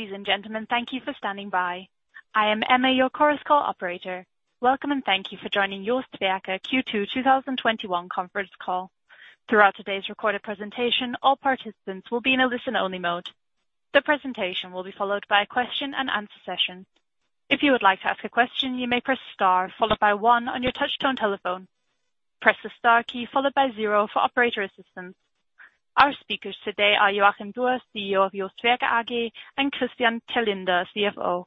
Ladies and gentlemen, thank you for standing by. I am Emma, your Chorus Call operator. Welcome, thank you for joining JOST Werke Q2 2021 conference call. Throughout today's recorded presentation, all participants will be in a listen-only mode. The presentation will be followed by a question and answer session. If you would like to ask a question, you may press star followed by one on your touch-tone telephone. Press the star key followed by zero for operator assistance. Our speakers today are Joachim Dürr, CEO of JOST Werke AG, Christian Terlinde, CFO.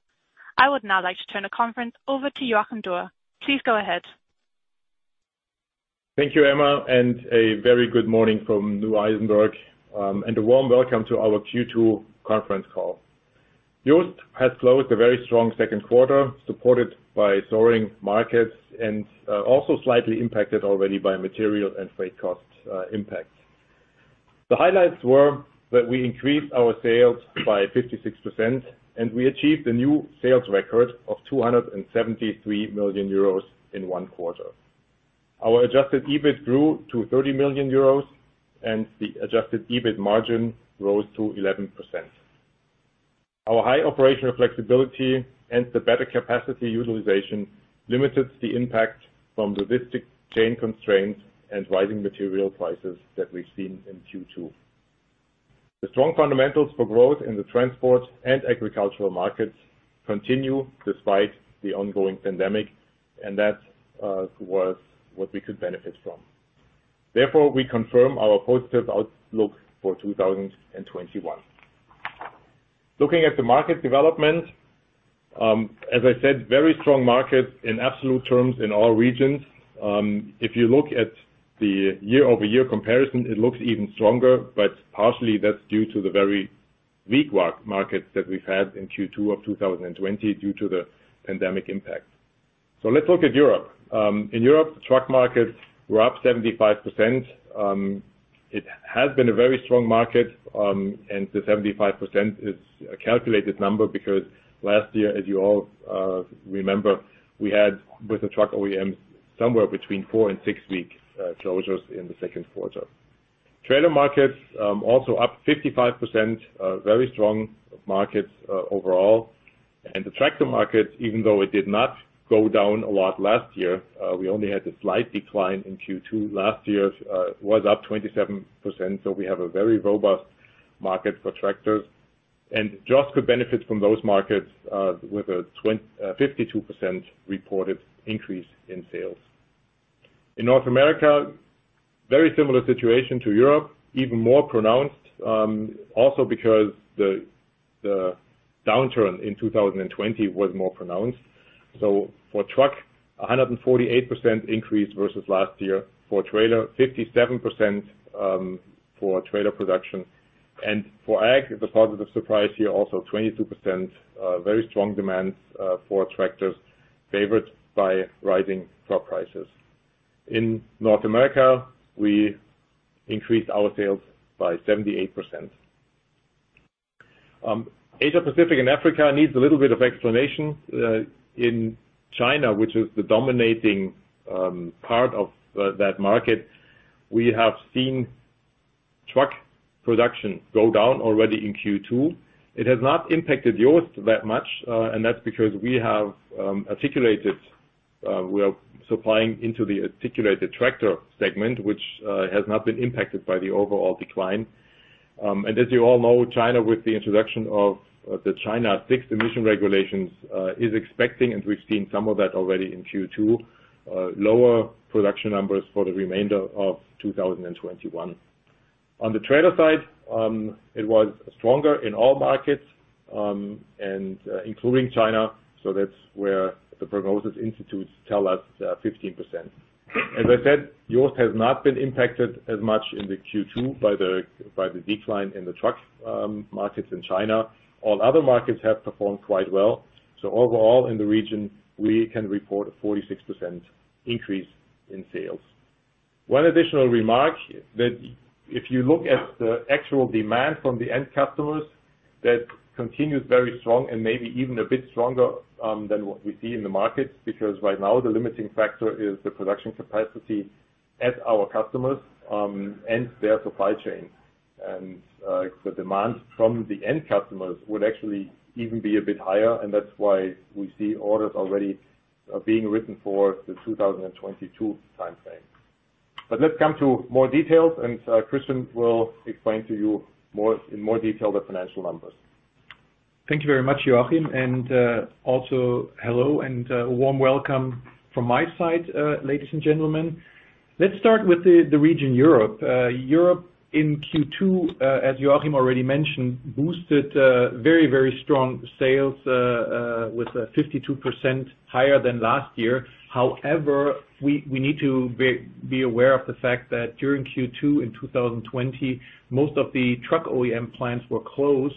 I would now like to turn the conference over to Joachim Dürr. Please go ahead. Thank you, Emma, a very good morning from Neu-Isenburg, and a warm welcome to our Q2 conference call. JOST has closed a very strong second quarter, supported by soaring markets and also slightly impacted already by material and freight costs impact. The highlights were that we increased our sales by 56%, and we achieved a new sales record of 273 million euros in one quarter. Our adjusted EBIT grew to 30 million euros, and the adjusted EBIT margin rose to 11%. Our high operational flexibility and the better capacity utilization limited the impact from logistic chain constraints and rising material prices that we've seen in Q2. The strong fundamentals for growth in the transport and agricultural markets continue despite the ongoing pandemic, and that was what we could benefit from. Therefore, we confirm our positive outlook for 2021. Looking at the market development, as I said, very strong market in absolute terms in all regions. If you look at the year-over-year comparison, it looks even stronger, but partially that's due to the very weak markets that we've had in Q2 of 2020 due to the pandemic impact. Let's look at Europe. In Europe, the truck markets were up 75%. It has been a very strong market, and the 75% is a calculated number because last year, as you all remember, we had, with the truck OEM, somewhere between four and six weeks closures in the second quarter. Trailer markets, also up 55%, a very strong market overall. The tractor market, even though it did not go down a lot last year, we only had a slight decline in Q2 last year. It was up 27%, so we have a very robust market for tractors. JOST could benefit from those markets with a 52% reported increase in sales. In North America, very similar situation to Europe, even more pronounced, also because the downturn in 2020 was more pronounced. For truck, 148% increase versus last year. For trailer, 57% for trailer production. For ag, the positive surprise here also, 22%, very strong demands for tractors favored by rising crop prices. In North America, we increased our sales by 78%. Asia-Pacific and Africa needs a little bit of explanation. In China, which is the dominating part of that market, we have seen truck production go down already in Q2. It has not impacted JOST that much, and that's because we are supplying into the articulated tractor segment, which has not been impacted by the overall decline. As you all know, China, with the introduction of the China VI emission regulations, is expecting, and we've seen some of that already in Q2, lower production numbers for the remainder of 2021. On the trailer side, it was stronger in all markets, including China, so that's where the prognosis institutes tell us 15%. As I said, JOST has not been impacted as much in the Q2 by the decline in the truck markets in China. All other markets have performed quite well. Overall in the region, we can report a 46% increase in sales. One additional remark, that if you look at the actual demand from the end customers, that continues very strong and maybe even a bit stronger than what we see in the market, because right now the limiting factor is the production capacity at our customers, and their supply chain. The demand from the end customers would actually even be a bit higher, and that's why we see orders already being written for the 2022 timeframe. Let's come to more details, and Christian will explain to you in more detail the financial numbers. Thank you very much, Joachim, and also hello and a warm welcome from my side, ladies and gentlemen. Let's start with the region Europe. Europe in Q2, as Joachim already mentioned, boosted very strong sales, with 52% higher than last year. However, we need to be aware of the fact that during Q2 in 2020, most of the truck OEM plants were closed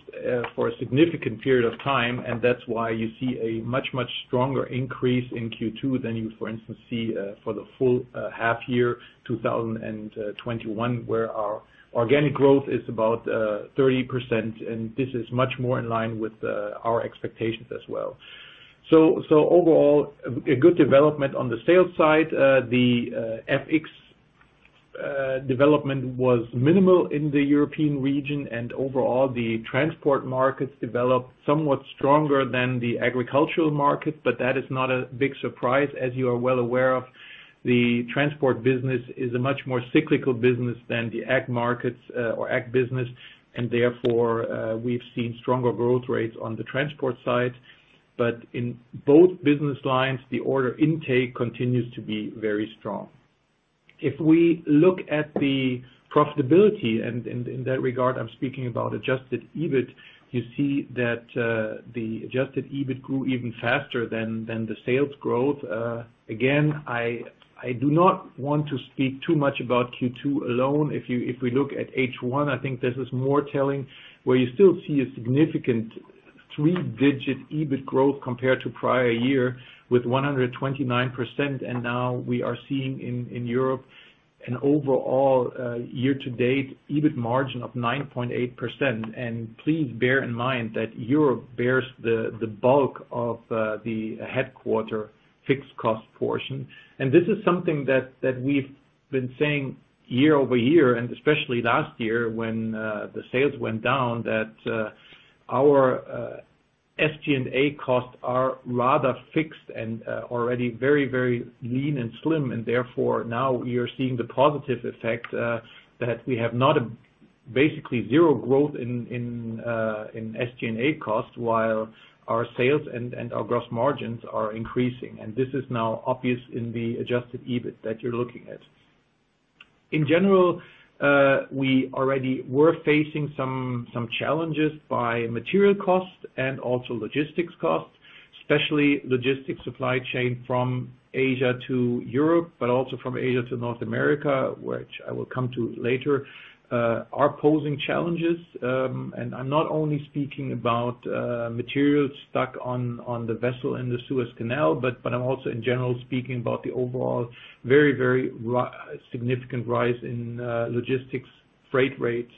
for a significant period of time, and that's why you see a much stronger increase in Q2 than you, for instance, see for the full half year 2021, where our organic growth is about 30%, and this is much more in line with our expectations as well. Overall, a good development on the sales side. The FX development was minimal in the European region, and overall, the transport markets developed somewhat stronger than the agricultural market, but that is not a big surprise. As you are well aware of, the transport business is a much more cyclical business than the ag markets or ag business. Therefore, we've seen stronger growth rates on the transport side. In both business lines, the order intake continues to be very strong. If we look at the profitability, in that regard, I'm speaking about adjusted EBIT, you see that the adjusted EBIT grew even faster than the sales growth. Again, I do not want to speak too much about Q2 alone. If we look at H1, I think this is more telling, where you still see a significant three-digit EBIT growth compared to prior year with 129%. Now we are seeing in Europe an overall year-to-date EBIT margin of 9.8%. Please bear in mind that Europe bears the bulk of the headquarter fixed cost portion. This is something that we've been saying year-over-year, especially last year when the sales went down, that our SG&A costs are rather fixed and already very lean and slim. Therefore, now we are seeing the positive effect that we have basically zero growth in SG&A costs while our sales and our gross margins are increasing. This is now obvious in the adjusted EBIT that you're looking at. In general, we already were facing some challenges by material costs and also logistics costs, especially logistics supply chain from Asia to Europe, but also from Asia to North America, which I will come to later, are posing challenges. I'm not only speaking about materials stuck on the vessel in the Suez Canal, but I'm also in general speaking about the overall very significant rise in logistics freight rates.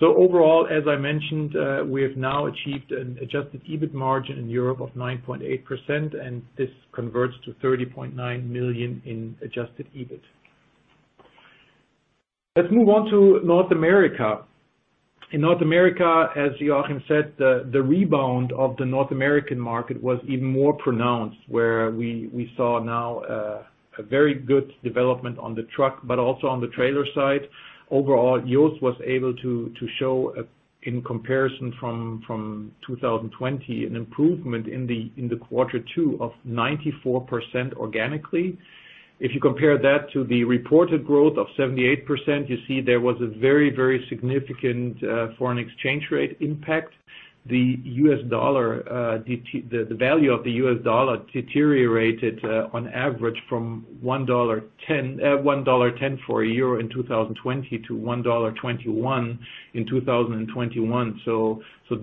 Overall, as I mentioned, we have now achieved an adjusted EBIT margin in Europe of 9.8%, and this converts to 30.9 million in adjusted EBIT. Let's move on to North America. In North America, as Joachim said, the rebound of the North American market was even more pronounced, where we saw now a very good development on the truck, but also on the trailer side. Overall, JOST was able to show, in comparison from 2020, an improvement in the Q2 of 94% organically. If you compare that to the reported growth of 78%, you see there was a very significant foreign exchange rate impact. The value of the U.S. dollar deteriorated on average from $1.10 for a year in 2020 to $1.21 in 2021.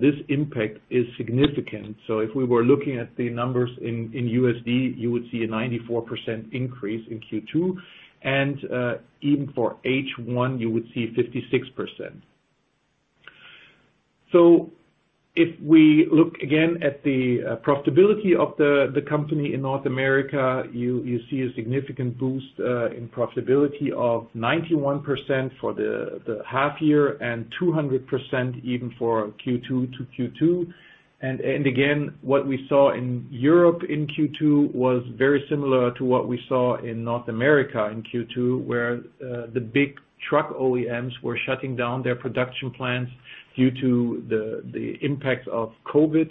This impact is significant. If we were looking at the numbers in U.S. dollar, you would see a 94% increase in Q2, even for H1, you would see 56%. If we look again at the profitability of the company in North America, you see a significant boost in profitability of 91% for the half year and 200% even for Q2 to Q2. Again, what we saw in Europe in Q2 was very similar to what we saw in North America in Q2, where the big truck OEMs were shutting down their production plans due to the impact of COVID.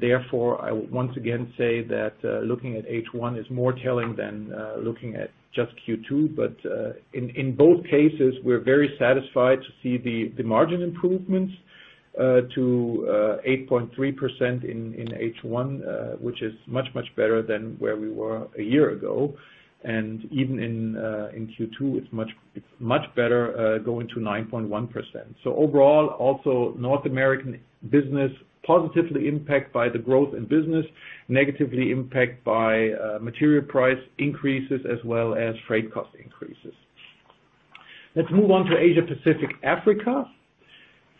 Therefore, I once again say that looking at H1 is more telling than looking at just Q2. In both cases, we are very satisfied to see the margin improvements to 8.3% in H1, which is much better than where we were a year ago. Even in Q2, it's much better, going to 9.1%. Overall, also North American business positively impacted by the growth in business, negatively impacted by material price increases as well as freight cost increases. Let's move on to Asia Pacific Africa.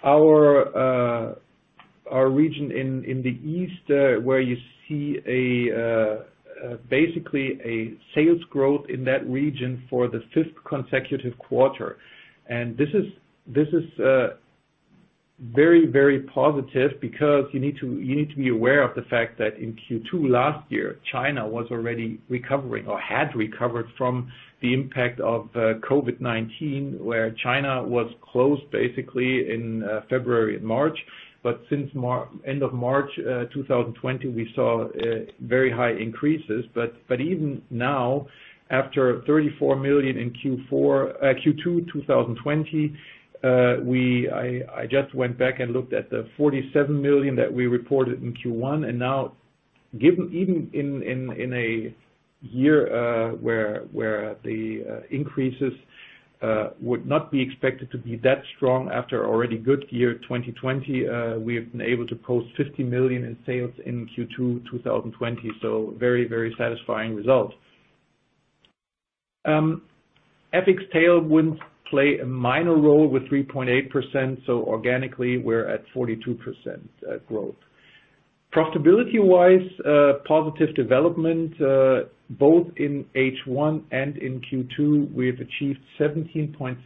Our region in the East, where you see basically a sales growth in that region for the fifth consecutive quarter. This is very positive because you need to be aware of the fact that in Q2 last year, China was already recovering or had recovered from the impact of COVID-19, where China was closed basically in February and March. Since end of March 2020, we saw very high increases. Even now, after 34 million in Q2 2020, I just went back and looked at the 47 million that we reported in Q1. Now, even in a year where the increases would not be expected to be that strong after already good year 2020, we have been able to post 50 million in sales in Q2 2020. Very satisfying result. FX detail would play a minor role with 3.8%, organically, we're at 42% growth. Profitability-wise, positive development both in H1 and in Q2. We have achieved 17.6%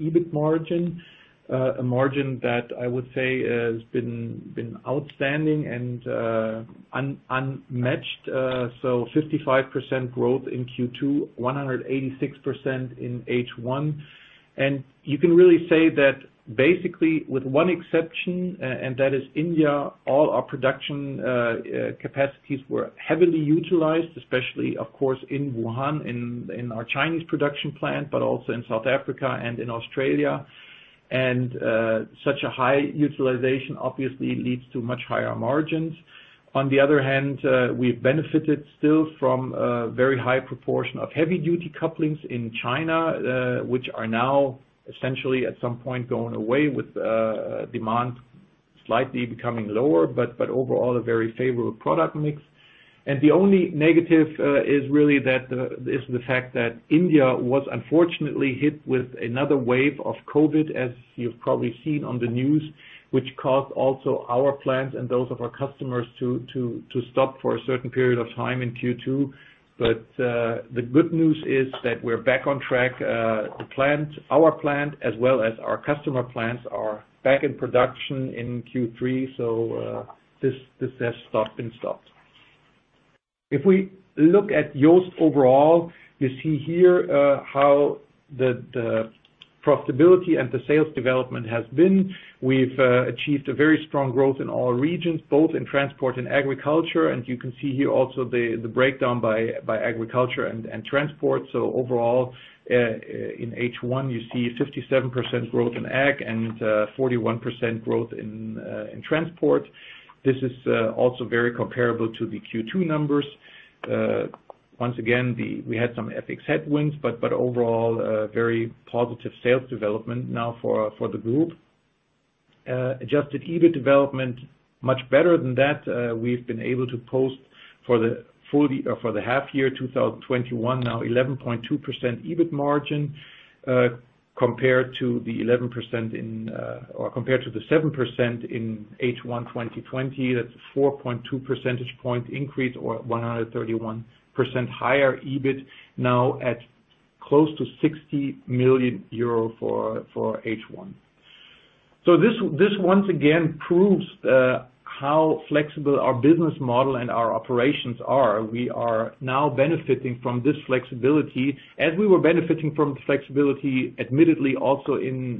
EBIT margin, a margin that I would say has been outstanding and unmatched. 55% growth in Q2, 186% in H1. You can really say that basically with one exception, and that is India, all our production capacities were heavily utilized, especially, of course, in Wuhan, in our Chinese production plant, but also in South Africa and in Australia. Such a high utilization obviously leads to much higher margins. On the other hand, we benefited still from a very high proportion of heavy-duty couplings in China, which are now essentially at some point going away with demand slightly becoming lower. Overall, a very favorable product mix. The only negative is really the fact that India was unfortunately hit with another wave of COVID, as you've probably seen on the news, which caused also our plants and those of our customers to stop for a certain period of time in Q2. The good news is that we're back on track. Our plant as well as our customer plants are back in production in Q3. This has been stopped. If we look at JOST overall, you see here how the profitability and the sales development has been. We've achieved a very strong growth in all regions, both in transport and agriculture. You can see here also the breakdown by agriculture and transport. Overall, in H1, you see 57% growth in ag and 41% growth in transport. This is also very comparable to the Q2 numbers. Once again, we had some FX headwinds, but overall, a very positive sales development now for the group. Adjusted EBIT development, much better than that. We've been able to post for the half year 2021 now 11.2% EBIT margin, compared to the 7% in H1 2020. That's a 4.2 percentage point increase or 131% higher EBIT, now at close to 60 million euro for H1. This once again proves how flexible our business model and our operations are. We are now benefiting from this flexibility, as we were benefiting from flexibility admittedly also in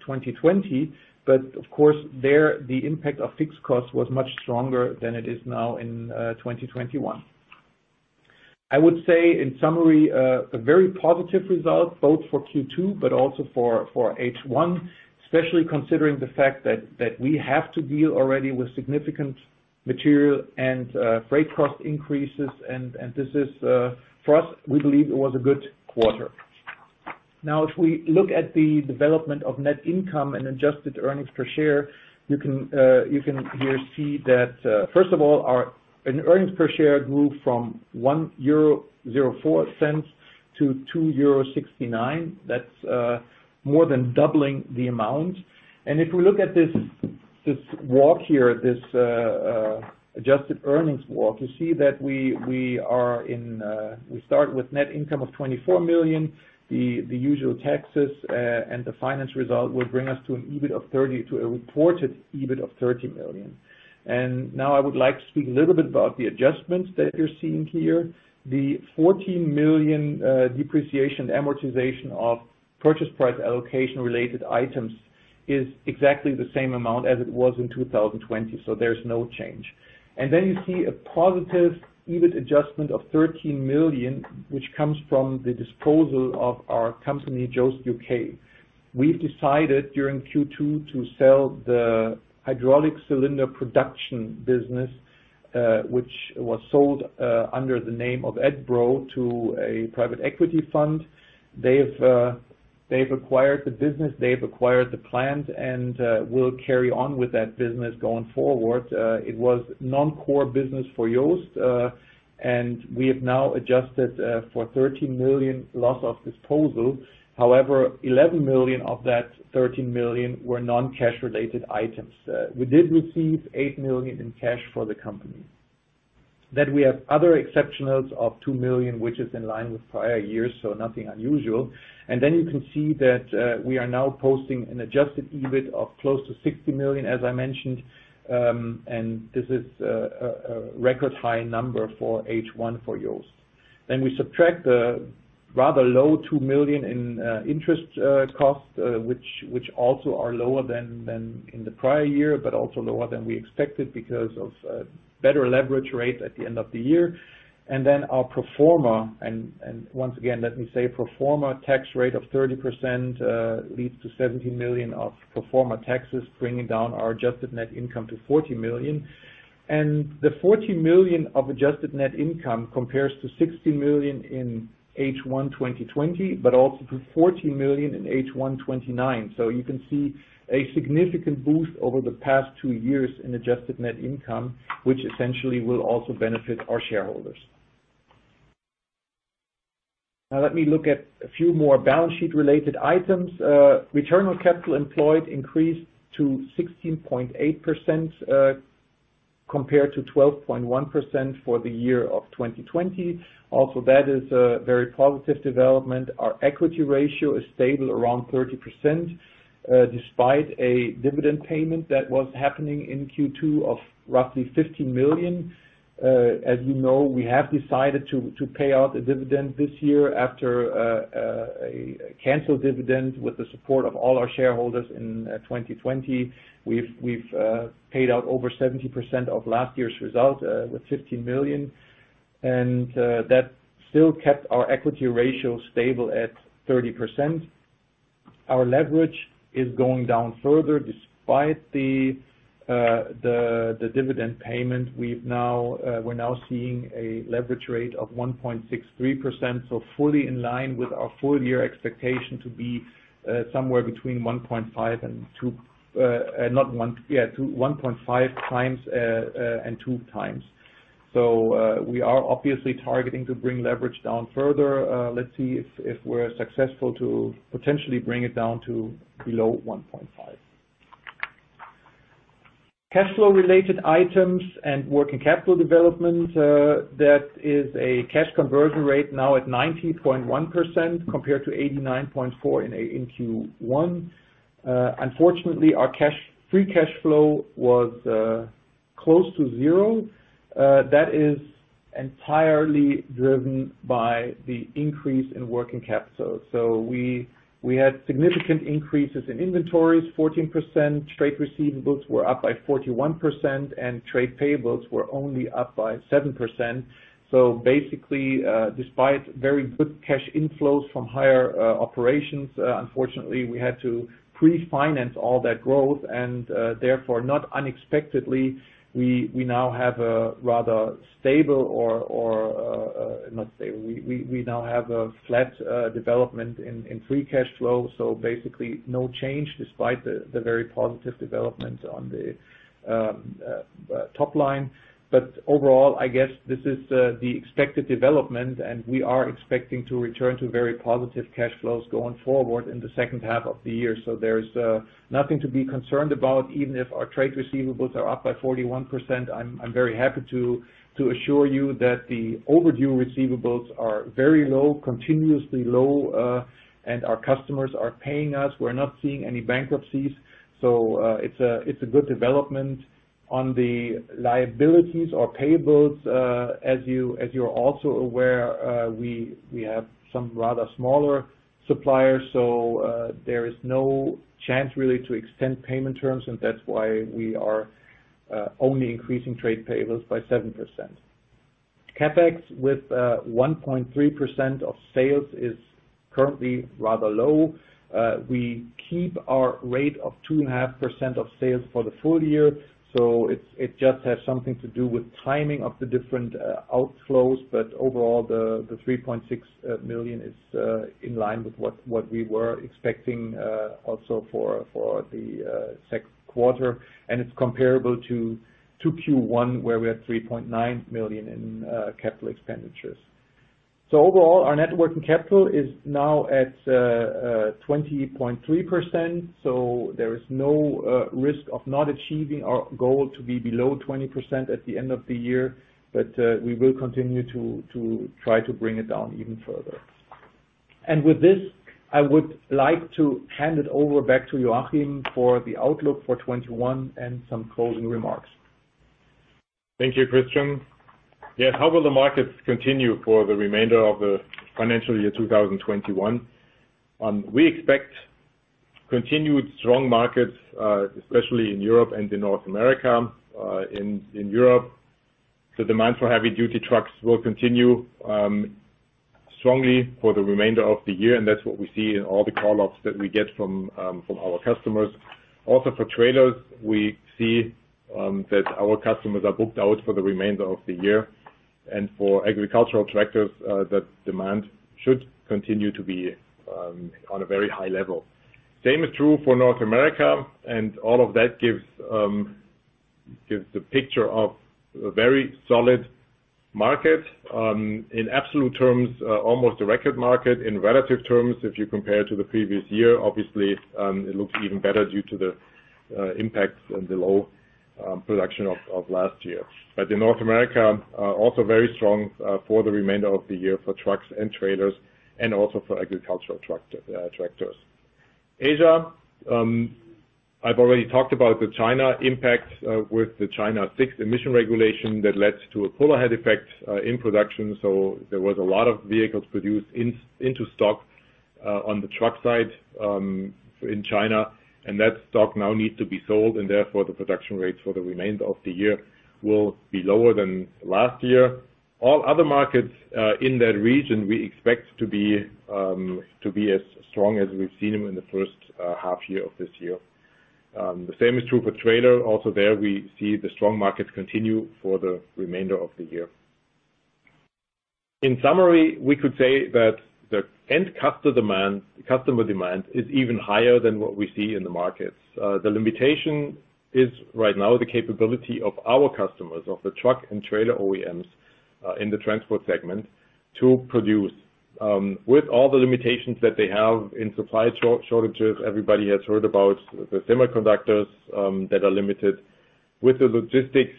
2020. Of course there, the impact of fixed costs was much stronger than it is now in 2021. I would say in summary, a very positive result, both for Q2 but also for H1, especially considering the fact that we have to deal already with significant material and freight cost increases. This is for us, we believe it was a good quarter. Now, if we look at the development of net income and adjusted earnings per share, you can here see that, first of all, our earnings per share grew from 1.04 euro to 2.69 euro. That's more than doubling the amount. If we look at this walk here, this adjusted earnings walk, you see that we start with net income of 24 million. The usual taxes, and the finance result will bring us to a reported EBIT of 30 million. Now I would like to speak a little bit about the adjustments that you're seeing here. The 14 million depreciation, amortization of purchase price allocation related items is exactly the same amount as it was in 2020, so there's no change. You see a positive EBIT adjustment of 13 million, which comes from the disposal of our company, JOST U.K. We've decided during Q2 to sell the hydraulic cylinder production business, which was sold under the name of Edbro to a private equity fund. They've acquired the business, they've acquired the plant, and will carry on with that business going forward. It was non-core business for JOST, and we have now adjusted for 13 million loss of disposal. However, 11 million of that 13 million were non-cash related items. We did receive 8 million in cash for the company. We have other exceptionals of 2 million, which is in line with prior years, so nothing unusual. You can see that we are now posting an adjusted EBIT of close to 60 million, as I mentioned. This is a record high number for H1 for JOST. We subtract the rather low 2 million in interest costs, which also are lower than in the prior year, but also lower than we expected because of better leverage rates at the end of the year. Our pro forma, and once again, let me say pro forma tax rate of 30% leads to 17 million of pro forma taxes, bringing down our adjusted net income to 14 million. The 14 million of adjusted net income compares to 16 million in H1 2020, but also to 14 million in H1 [2029]. You can see a significant boost over the past two years in adjusted net income, which essentially will also benefit our shareholders. Let me look at a few more balance sheet related items. Return on capital employed increased to 16.8% compared to 12.1% for the year of 2020. That is a very positive development. Our equity ratio is stable around 30%, despite a dividend payment that was happening in Q2 of roughly 15 million. As you know, we have decided to pay out a dividend this year after a cancel dividend with the support of all our shareholders in 2020. We've paid out over 70% of last year's result, with 15 million, and that still kept our equity ratio stable at 30%. Our leverage is going down further despite the dividend payment. We're now seeing a leverage rate of 1.63%, fully in line with our full-year expectation to be somewhere between 1.5x and 2x. We are obviously targeting to bring leverage down further. Let's see if we're successful to potentially bring it down to below 1.5x. Cash flow related items and working capital development, that is a cash conversion rate now at 90.1%, compared to 89.4% in Q1. Unfortunately, our free cash flow was close to zero. That is entirely driven by the increase in working capital. We had significant increases in inventories, 14%, trade receivables were up by 41%, and trade payables were only up by 7%. Basically, despite very good cash inflows from higher operations, unfortunately, we had to pre-finance all that growth and, therefore, not unexpectedly, we now have a rather not stable. We now have a flat development in free cash flow, so basically no change despite the very positive development on the top line. Overall, I guess this is the expected development and we are expecting to return to very positive cash flows going forward in the second half of the year. There's nothing to be concerned about, even if our trade receivables are up by 41%. I'm very happy to assure you that the overdue receivables are very low, continuously low, and our customers are paying us. We're not seeing any bankruptcies. It's a good development. On the liabilities or payables, as you're also aware, we have some rather smaller suppliers. There is no chance really to extend payment terms, and that's why we are only increasing trade payables by 7%. CapEx with 1.3% of sales is currently rather low. We keep our rate of 2.5% of sales for the full year, so it just has something to do with timing of the different outflows. Overall, the 3.6 million is in line with what we were expecting also for the second quarter, and it's comparable to Q1, where we had 3.9 million in capital expenditures. Overall, our net working capital is now at 20.3%, so there is no risk of not achieving our goal to be below 20% at the end of the year. We will continue to try to bring it down even further. With this, I would like to hand it over back to Joachim for the outlook for 2021 and some closing remarks. Thank you, Christian. Yes. How will the markets continue for the remainder of the financial year 2021? We expect continued strong markets, especially in Europe and in North America. In Europe, the demand for heavy-duty trucks will continue strongly for the remainder of the year, and that's what we see in all the call-offs that we get from our customers. Also for trailers, we see that our customers are booked out for the remainder of the year. For agricultural tractors, that demand should continue to be on a very high level. Same is true for North America, all of that gives the picture of a very solid market. In absolute terms, almost a record market. In relative terms, if you compare to the previous year, obviously, it looks even better due to the impact and the low production of last year. In North America, also very strong for the remainder of the year for trucks and trailers and also for agricultural tractors. Asia, I've already talked about the China impact with the China VI emission regulation that led to a pull ahead effect in production. There was a lot of vehicles produced into stock on the truck side in China, and that stock now needs to be sold and therefore the production rates for the remainder of the year will be lower than last year. All other markets in that region, we expect to be as strong as we've seen them in the first half year of this year. The same is true for trailer. There we see the strong markets continue for the remainder of the year. In summary, we could say that the end customer demand is even higher than what we see in the markets. The limitation is right now the capability of our customers, of the truck and trailer OEMs in the transport segment to produce. With all the limitations that they have in supply shortages, everybody has heard about the semiconductors that are limited, with the logistics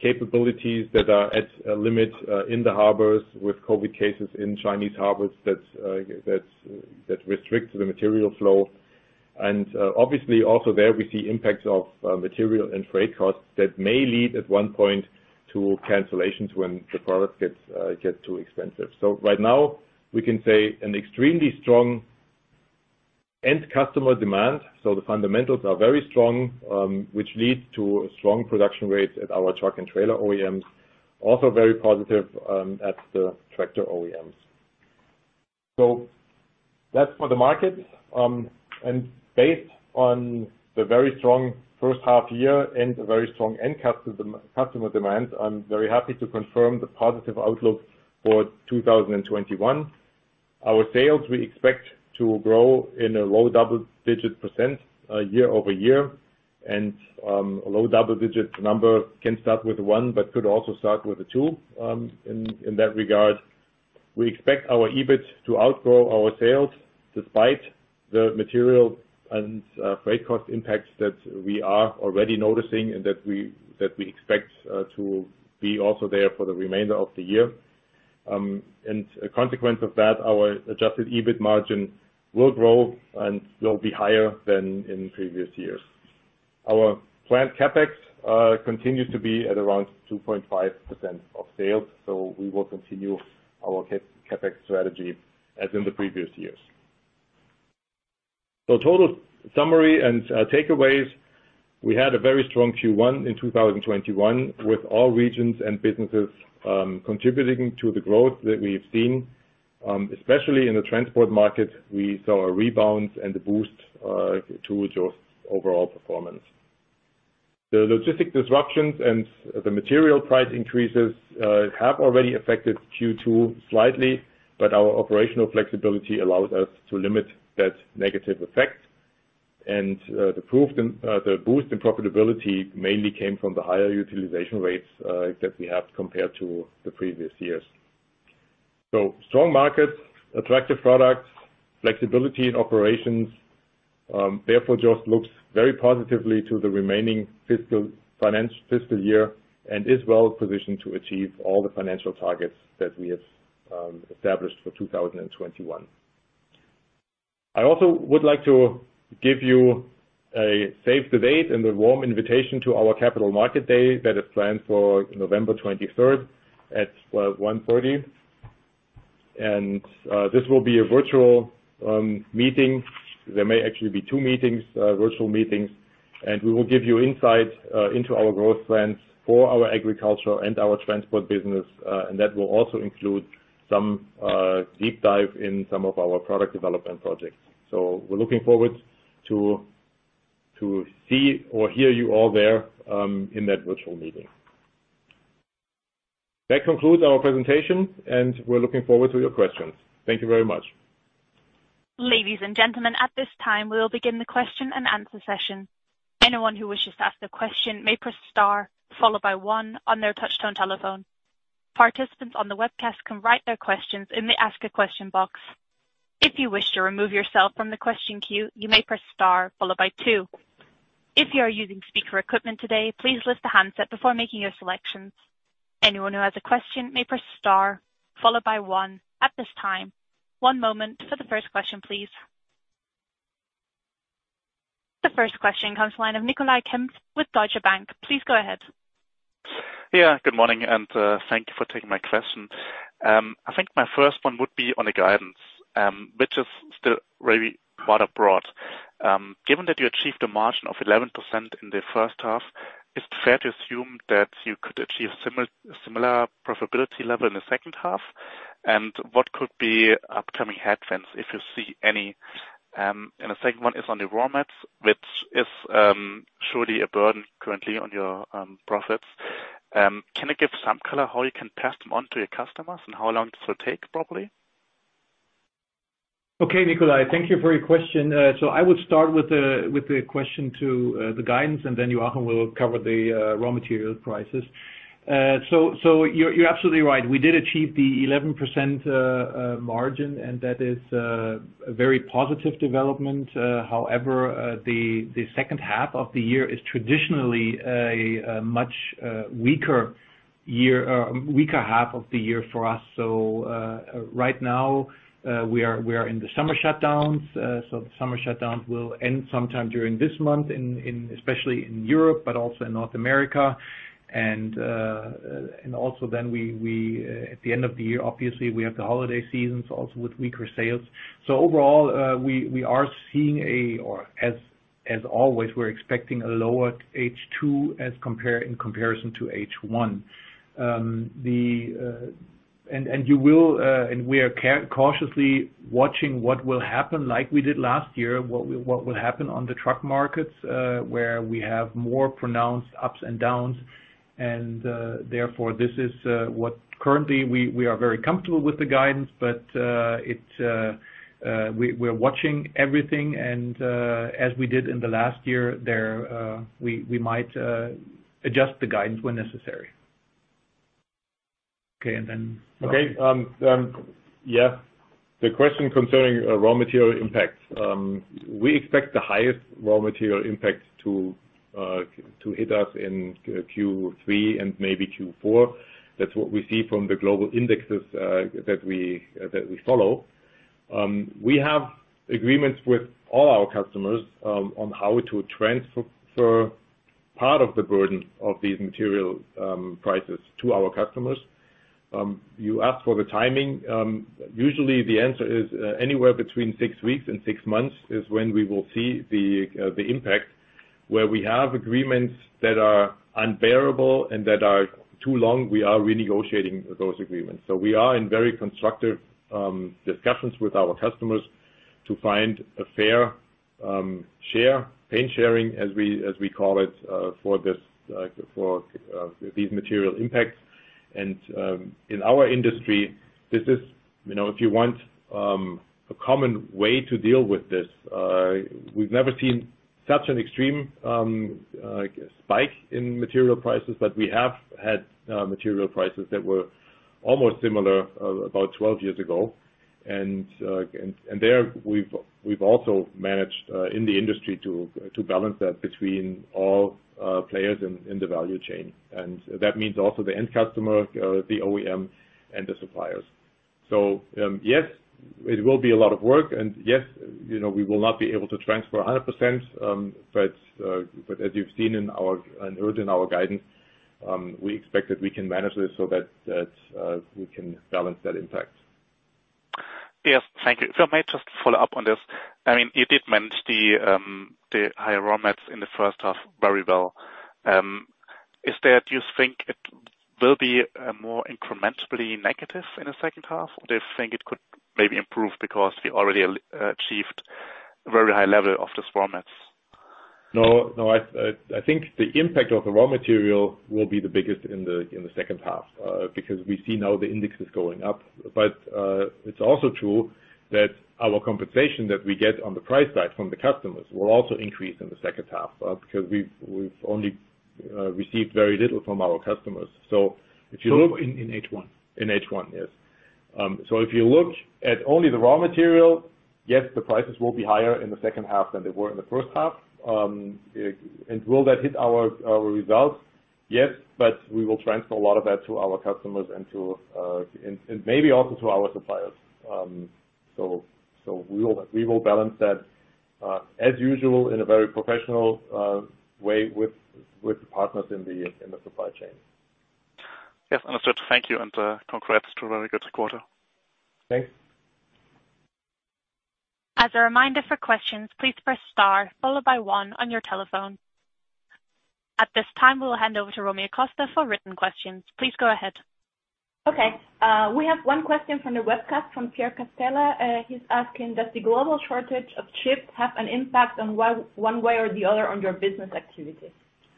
capabilities that are at a limit in the harbors with COVID cases in Chinese harbors that restricts the material flow. Obviously also there we see impacts of material and freight costs that may lead at one point to cancellations when the product gets too expensive. Right now we can say an extremely strong end customer demand. The fundamentals are very strong, which leads to strong production rates at our truck and trailer OEMs, also very positive at the tractor OEMs. That's for the markets. Based on the very strong first half year and the very strong end customer demand, I'm very happy to confirm the positive outlook for 2021. Our sales, we expect to grow in a low double-digit percent year-over-year. Low double-digit number can start with one, but could also start with a two in that regard. We expect our EBIT to outgrow our sales despite the material and freight cost impacts that we are already noticing and that we expect to be also there for the remainder of the year. A consequence of that, our adjusted EBIT margin will grow and will be higher than in previous years. Our planned CapEx continues to be at around 2.5% of sales. We will continue our CapEx strategy as in the previous years. Total summary and takeaways, we had a very strong Q1 in 2021 with all regions and businesses contributing to the growth that we've seen. Especially in the transport market, we saw a rebound and a boost to JOST's overall performance. The logistic disruptions and the material price increases have already affected Q2 slightly, but our operational flexibility allows us to limit that negative effect. The boost in profitability mainly came from the higher utilization rates that we have compared to the previous years. Strong markets, attractive products, flexibility in operations, therefore JOST looks very positively to the remaining fiscal year and is well positioned to achieve all the financial targets that we have established for 2021. I also would like to give you a save the date and a warm invitation to our Capital Markets Day that is planned for November 23rd at 1:30 P.M. This will be a virtual meeting. There may actually be two virtual meetings. We will give you insight into our growth plans for our agricultural and our transport business. That will also include some deep dive in some of our product development projects. We're looking forward to see or hear you all there in that virtual meeting. That concludes our presentation, and we're looking forward to your questions. Thank you very much. Ladies and gentlemen, at this time, we will begin the question and answer session. One moment for the first question, please. The first question comes to the line of Nicolai Kempf with Deutsche Bank. Please go ahead. Yeah, good morning, and thank you for taking my question. I think my first one would be on the guidance, which is still really quite broad. Given that you achieved a margin of 11% in the first half, is it fair to assume that you could achieve similar profitability level in the second half? What could be upcoming headwinds, if you see any? The second one is on the raw mats, which is surely a burden currently on your profits. Can you give some color how you can pass them on to your customers and how long this will take, probably? Okay, Nicolai. Thank you for your question. I would start with the question to the guidance, and then Joachim will cover the raw material prices. You're absolutely right. We did achieve the 11% margin, and that is a very positive development. However, the second half of the year is traditionally a much weaker half of the year for us. Right now, we are in the summer shutdowns. The summer shutdowns will end sometime during this month in, especially in Europe, but also in North America. Also then at the end of the year, obviously we have the holiday seasons also with weaker sales. Overall, as always, we're expecting a lower H2 in comparison to H1. We are cautiously watching what will happen like we did last year, what will happen on the truck markets, where we have more pronounced ups and downs. Therefore this is what currently we are very comfortable with the guidance, but we're watching everything and, as we did in the last year there, we might adjust the guidance when necessary. Okay, and then. Okay. Yes. The question concerning raw material impact. We expect the highest raw material impact to hit us in Q3 and maybe Q4. That's what we see from the global indexes that we follow. We have agreements with all our customers on how to transfer part of the burden of these material prices to our customers. You asked for the timing. Usually, the answer is anywhere between six weeks and six months is when we will see the impact. Where we have agreements that are unbearable and that are too long, we are renegotiating those agreements. We are in very constructive discussions with our customers to find a fair share, pain sharing, as we call it, for these material impacts. In our industry, if you want a common way to deal with this, we've never seen such an extreme spike in material prices. We have had material prices that were almost similar about 12 years ago. There, we've also managed, in the industry, to balance that between all players in the value chain. That means also the end customer, the OEM, and the suppliers. Yes, it will be a lot of work, and yes, we will not be able to transfer 100%. As you've seen heard in our guidance, we expect that we can manage this so that we can balance that impact. Yes. Thank you. If I may just follow up on this. You did manage the higher raw mats in the first half very well. Do you think it will be more incrementally negative in the second half? Do you think it could maybe improve because we already achieved a very high level of these raw mats? No, I think the impact of the raw material will be the biggest in the second half, because we see now the indexes going up. It's also true that our compensation that we get on the price side from the customers will also increase in the second half, because we've only received very little from our customers. If you look. In H1? In H1, yes. If you look at only the raw material, yes, the prices will be higher in the second half than they were in the first half. Will that hit our results? Yes, we will transfer a lot of that to our customers and maybe also to our suppliers. We will balance that, as usual, in a very professional way with partners in the supply chain. Yes, understood. Thank you, and congrats to a very good quarter. Thanks. As a reminder for questions, please press star followed by one on your telephone. At this time, we will hand over to Romy Acosta for written questions. Please go ahead. Okay. We have one question from the webcast from Pierre Castella. He's asking, does the global shortage of chips have an impact on one way or the other on your business activities,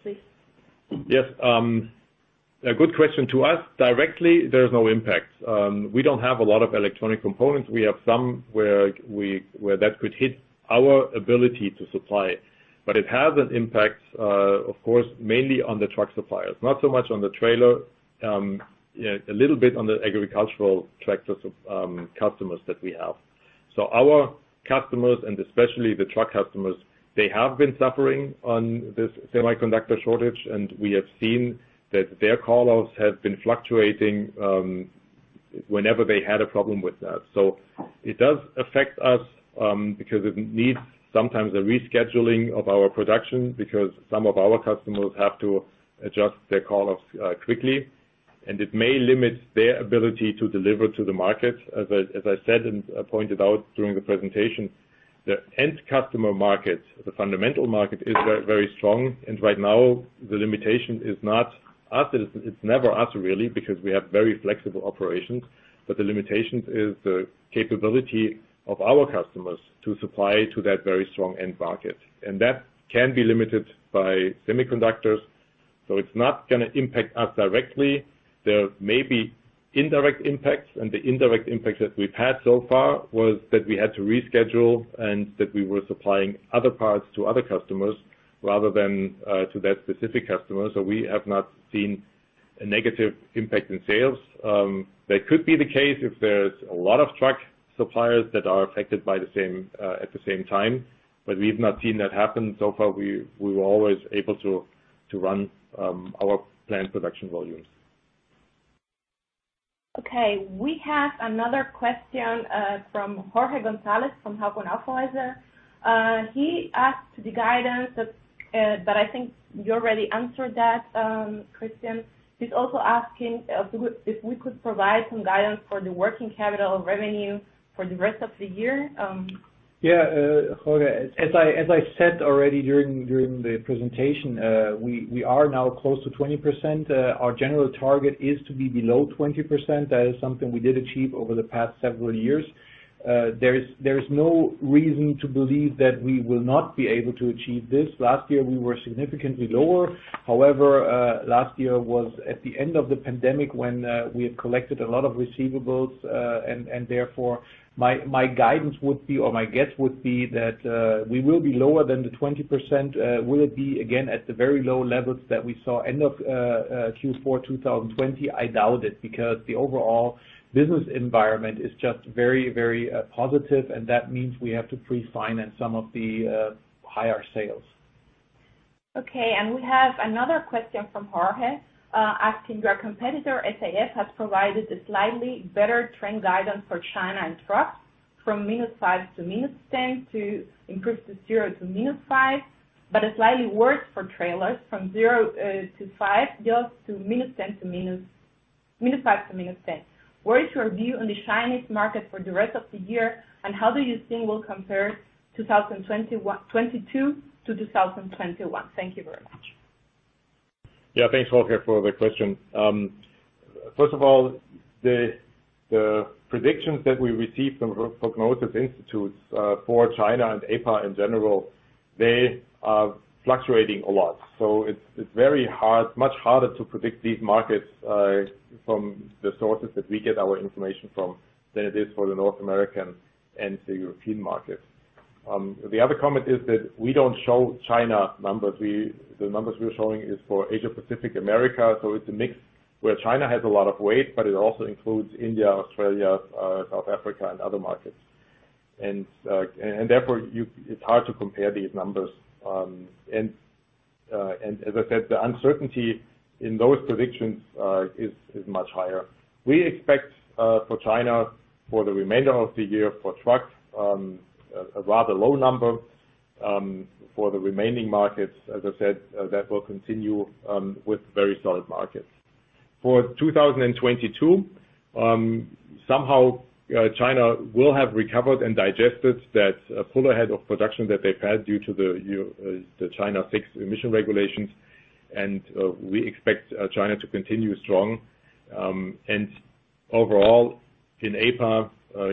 please? Yes. A good question. To us, directly, there's no impact. We don't have a lot of electronic components. We have some where that could hit our ability to supply. It has an impact, of course, mainly on the truck suppliers. Not so much on the trailer. A little bit on the agricultural tractor customers that we have. Our customers, and especially the truck customers, they have been suffering on this semiconductor shortage, and we have seen that their call-offs have been fluctuating whenever they had a problem with that. It does affect us, because it needs sometimes a rescheduling of our production because some of our customers have to adjust their call-offs quickly, and it may limit their ability to deliver to the market. As I said and pointed out during the presentation, the end customer market, the fundamental market, is very strong, and right now the limitation is not us. It's never us, really, because we have very flexible operations. The limitations is the capability of our customers to supply to that very strong end market. That can be limited by semiconductors. It's not going to impact us directly. There may be indirect impacts, and the indirect impact that we've had so far was that we had to reschedule and that we were supplying other parts to other customers rather than to that specific customer. We have not seen a negative impact in sales. That could be the case if there's a lot of truck suppliers that are affected at the same time, we've not seen that happen so far. We were always able to run our planned production volumes. Okay. We have another question from Jorge González, from Hauck & Aufhäuser. He asked the guidance, but I think you already answered that, Christian. He's also asking if we could provide some guidance for the working capital revenue for the rest of the year. Yeah, Jorge. As I said already during the presentation, we are now close to 20%. Our general target is to be below 20%. That is something we did achieve over the past several years. There is no reason to believe that we will not be able to achieve this. Last year, we were significantly lower. However, last year was at the end of the pandemic when we had collected a lot of receivables. Therefore, my guidance would be or my guess would be that we will be lower than the 20%. Will it be again at the very low levels that we saw end of Q4 2020? I doubt it, because the overall business environment is just very positive, and that means we have to pre-finance some of the higher sales. We have another question from Jorge, asking: "Your competitor, SAF, has provided a slightly better trend guidance for China and trucks from -5% to -10%, to improve to 0% to -5%, but it's slightly worse for trailers from 0% to 5% JOST to -5% to -10%. What is your view on the Chinese market for the rest of the year, and how do you think we'll compare 2022 to 2021? Thank you very much. Thanks, Jorge, for the question. First of all, the predictions that we receive from prognosis institutes for China and APA in general, they are fluctuating a lot. It's much harder to predict these markets from the sources that we get our information from than it is for the North American and the European markets. The other comment is that we don't show China numbers. The numbers we're showing is for Asia, Pacific, America, so it's a mix where China has a lot of weight, but it also includes India, Australia, South Africa, and other markets. Therefore, it's hard to compare these numbers. As I said, the uncertainty in those predictions is much higher. We expect, for China, for the remainder of the year, for trucks, a rather low number. For the remaining markets, as I said, that will continue with very solid markets. For 2022, somehow, China will have recovered and digested that pull ahead of production that they've had due to the China VI emission regulations, and we expect China to continue strong. Overall, in APA,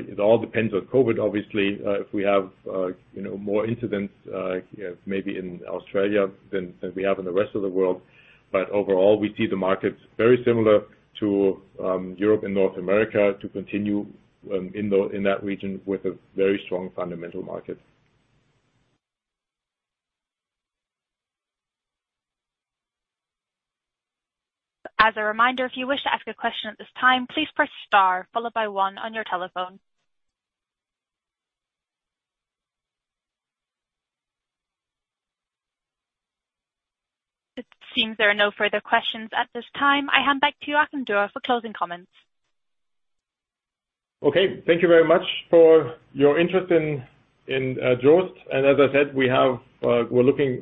it all depends on COVID, obviously, if we have more incidents, maybe in Australia than we have in the rest of the world. Overall, we see the markets very similar to Europe and North America to continue in that region with a very strong fundamental market. It seems there are no further questions at this time. I hand back to you, Joachim Dürr, for closing comments. Okay. Thank you very much for your interest in JOST. As I said, we're looking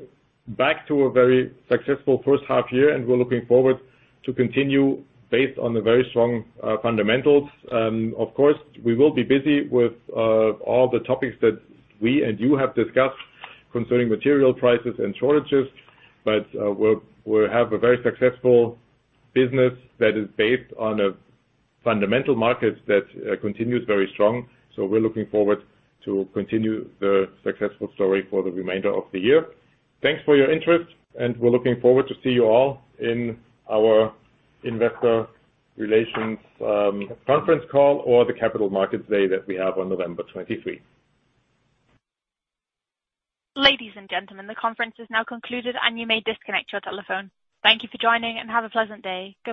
back to a very successful first half-year, and we're looking forward to continue based on the very strong fundamentals. Of course, we will be busy with all the topics that we and you have discussed concerning material prices and shortages. We have a very successful business that is based on a fundamental market that continues very strong. We're looking forward to continue the successful story for the remainder of the year. Thanks for your interest, and we're looking forward to see you all in our investor relations conference call or the Capital Markets Day that we have on November 23. Ladies and gentlemen, the conference is now concluded and you may disconnect your telephone. Thank you for joining and have a pleasant day. Goodbye.